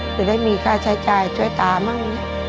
จะได้มีค่าใช้จ่ายช่วยตามั่ง